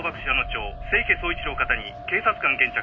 町清家総一郎方に警察官現着。